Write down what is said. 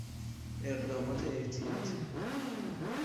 اقدامات احتیاطی